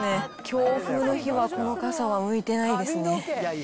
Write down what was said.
強風の日はこの傘は向いてないですね。